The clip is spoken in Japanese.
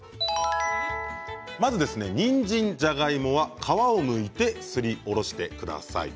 にんじん、じゃがいもは皮をむいてすりおろしてください。